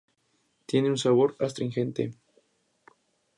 Tiene un sabor astringente.